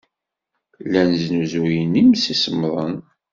Llan snuzuyen imsisemḍen.